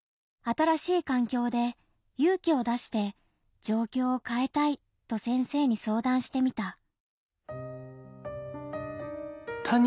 新しい環境で勇気を出して「状況を変えたい」と先生に相談してみた。